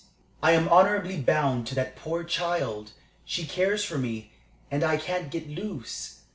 I am honorably bound to that poor child. She cares for me, and I can't get loose.